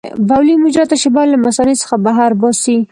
بولي مجرا تشې بولې له مثانې څخه بهر باسي.